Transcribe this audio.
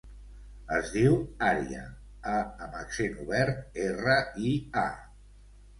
Es diu Ària: a amb accent obert, erra, i, a.